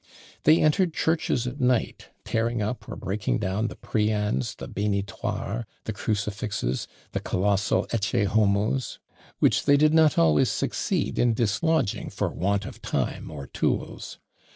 They entered churches at night, tearing up or breaking down the prians, the bénitoires, the crucifixes, the colossal ecce homos, which they did not always succeed in dislodging for want of time or tools.